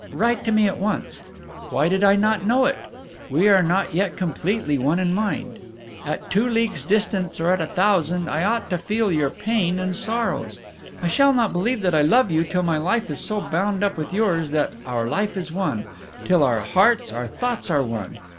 Write to me at once. Why did I not know it? We are not yet completely one in mind. At two leagues' distance or at a thousand I ought to feel your pain and sorrows. I shall not believe that I love you till my life is so bound up with yours that our life is one, till our hearts, our thoughts are one.